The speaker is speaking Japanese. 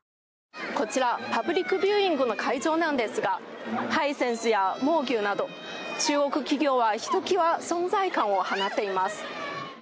こちらパブリックビューイングの会場なんですがハイセンスや蒙牛など中国企業はひときわ存在感を放っています。